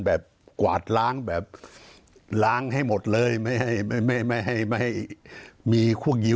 แบบกวาดล้างแบบล้างให้หมดเลยไม่ให้ไม่ไม่ไม่